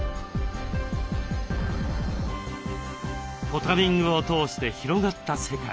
ポタリングを通して広がった世界。